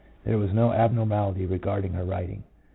There was no abnormality regarding her writing.